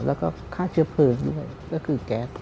แล้วก็ฆ่าเชื้อเพลิงด้วยก็คือแก๊ส